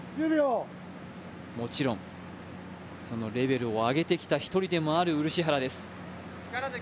もちろんそのレベルを上げてきた一人でもある漆原です。